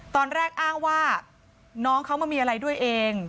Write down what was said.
ตอนแรกอ้างว่าน้องเขามามีอะไรด้วยเอง